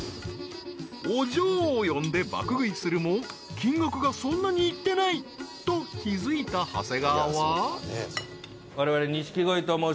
［オジョーを呼んで爆食いするも金額がそんなにいってないと気付いた長谷川は］